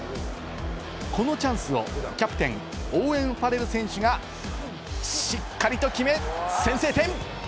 このチャンスをキャプテン、オーウェン・ファレル選手がしっかりと決め、先制点。